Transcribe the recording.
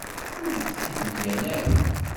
Ur aɣ-t-id-mlan ara.